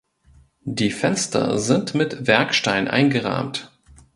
Die Fenster sind mit Werkstein eingerahmt.